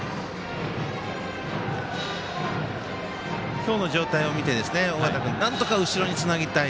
今日の状態を見て尾形君、なんとか後ろにつなぎたい。